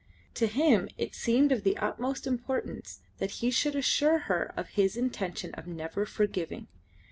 To him it seemed of the utmost importance that he should assure her of his intention of never forgiving.